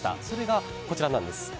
それがこちらです。